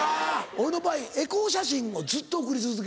俺の場合エコー写真をずっと送り続け。